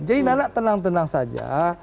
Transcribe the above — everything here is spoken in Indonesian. jadi nana tenang tenang saja